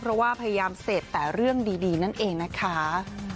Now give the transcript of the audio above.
เพราะว่าพยายามเสพแต่เรื่องดีนั่นเองนะคะ